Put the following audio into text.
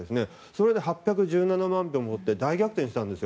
それで、８１７万票で大逆転したんです。